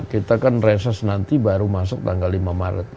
kita kan reses nanti baru masuk tanggal lima maret